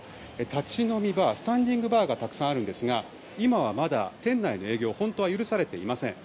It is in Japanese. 立ち飲みバースタンディングバーがたくさんあるんですが今はまだ店内の営業は本当は許されていません。